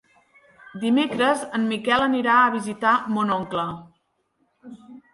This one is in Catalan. Dimecres en Miquel anirà a visitar mon oncle.